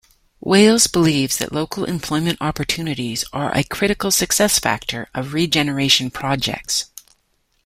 Wales believes that local employment opportunities are a critical success factor of regeneration projects.